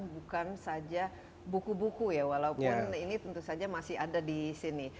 bukan saja buku buku ya walaupun ini tentu saja masih ada di sini